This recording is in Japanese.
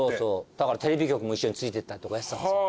だからテレビ局も一緒についてったりとかやってたんですよ。